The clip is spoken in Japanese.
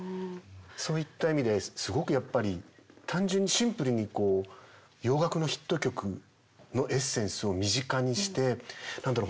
そういった意味ですごくやっぱり単純にシンプルに洋楽のヒット曲のエッセンスを身近にして何だろう